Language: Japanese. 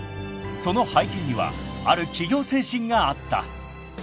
［その背景にはある企業精神があった］